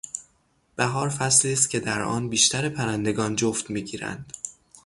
بهار فصلی است که در آن بیشتر پرندگان جفت میگیرند.